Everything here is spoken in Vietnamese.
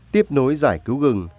tiếp nối giải cứu gừng